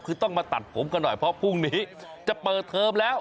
คือต้องมาตัดผมกันหน่อยเพราะพรุ่งนี้จะเปิดเทอมแล้ว